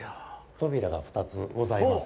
扉が２つございます。